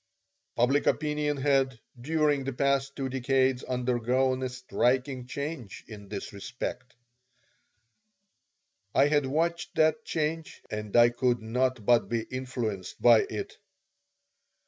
Public opinion had, during the past two decades, undergone a striking change in this respect. I had watched that change and I could not but be influenced by it.